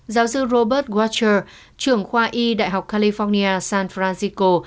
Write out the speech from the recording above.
giáo sư robert watcher trưởng khoa y đại học california san francisco